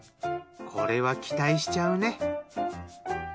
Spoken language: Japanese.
これは期待しちゃうね。